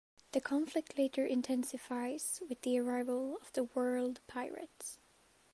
The conflict later intensifies with the arrival of the World Pirates.